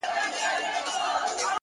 بریا تصادف نه بلکې انتخاب دی,